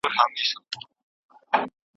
کوربه هیواد نظامي اډه نه جوړوي.